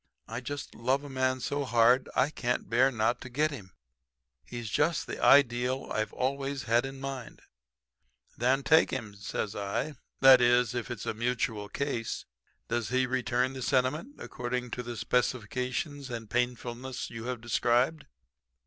I just love a man so hard I can't bear not to get him. He's just the ideal I've always had in mind.' [Illustration: "'Mr. Peters, I'm in love.'"] "'Then take him,' says I. 'That is, if it's a mutual case. Does he return the sentiment according to the specifications and painfulness you have described?'